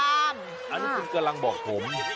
อันนี้คุณกำลังบอกผม